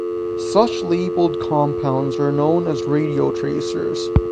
Such labelled compounds are known as radiotracers.